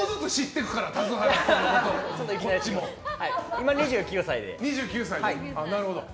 今、２９歳で。